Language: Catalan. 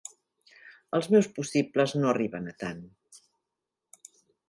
Els meus possibles no arriben a tant!